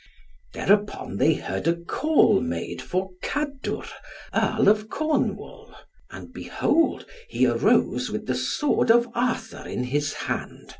Thereupon they heard a call made for Kadwr, Earl of Cornwall, and behold he arose with the sword of Arthur in his hand.